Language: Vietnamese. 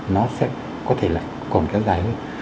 nó sẽ có thể lại còn cái dài hơn